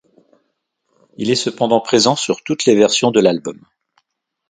Il est cependant présent sur toutes les versions de l'album.